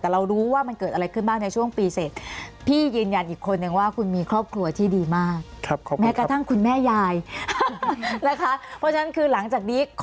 แต่เรารู้ว่ามันเกิดอะไรขึ้นบ้างในช่วงปีเสร็จ